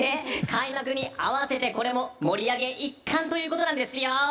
開幕に合わせてこれも盛り上げの一環ということなんです。